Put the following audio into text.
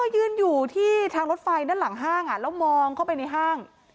ยืนอยู่ที่ทางรถไฟด้านหลังห้างแล้วมองเข้าไปในห้าง